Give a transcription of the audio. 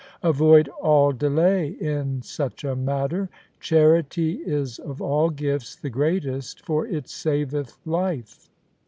Avoid all delay in such a matter. Charity is of all gifts the greatest, for it saveth life.'